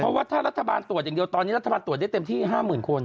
เพราะว่าถ้ารัฐบาลตรวจอย่างเดียวตอนนี้รัฐบาลตรวจได้เต็มที่๕๐๐๐คน